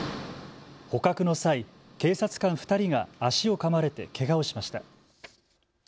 捕獲の際、警察官２人が足をかまれて、けがをしました。